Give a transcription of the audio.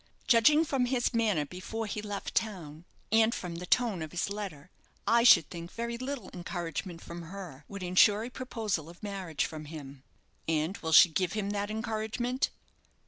"Judging from his manner before he left town, and from the tone of his letter, I should think very little encouragement from her would ensure a proposal of marriage from him." "And will she give him that encouragement?"